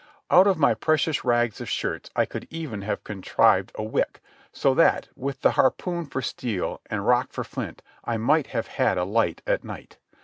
Out of my precious rags of shirts I could even have contrived a wick, so that, with the harpoon for steel and rock for flint, I might have had a light at night.